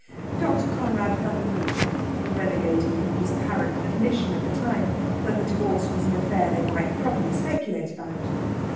Dr. Conrad felt mean for renegading from his apparent admission at that time that the divorce was an affair they might properly speculate about.